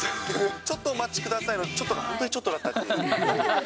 ちょっとお待ちくださいのちょっとが本当にちょっとだったっていう。